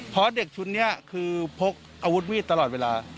เพราะเด็กชุดนี้คือพกอาวุธมีดตลอดเวลา